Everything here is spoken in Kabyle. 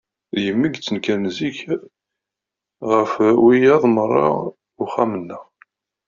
D yemma i d-ittenkaren zik ɣef wiyaḍ merra uxxam-nneɣ.